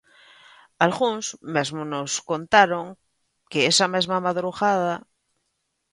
Algúns mesmo nos contaron que esa mesma madrugada...